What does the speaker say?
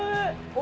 お。